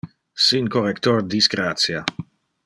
Sin corrector disgratia!